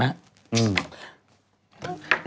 อืม